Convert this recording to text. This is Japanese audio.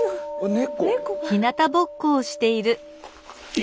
猫！